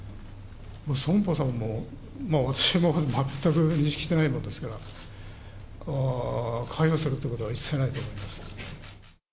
損保さんも、私も全く認識してないもんですから、関与するってことは一切ないと思いますね。